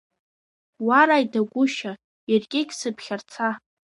Уа раидагәышьа, иркьыкь сыԥхьарца!